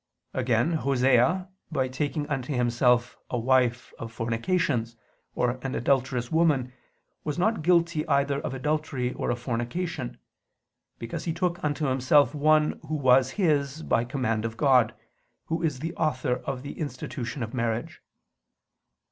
Again Osee, by taking unto himself a wife of fornications, or an adulterous woman, was not guilty either of adultery or of fornication: because he took unto himself one who was his by command of God, Who is the Author of the institution of marriage.